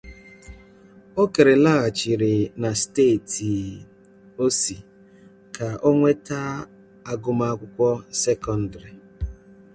Okere laghachiri na steeti ọ si ka ọ nweta agụmakwụkwọ sekọndrị.